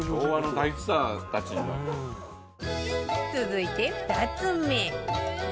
続いて２つ目